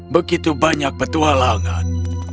begitu banyak petualangan